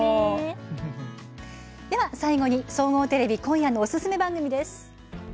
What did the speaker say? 最後に、総合テレビ今夜のおすすめ番組です。